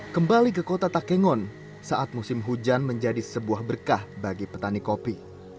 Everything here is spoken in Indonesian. kembali ke kota takengon saat musim hujan menjadi sebuah berkah bagi petani kopi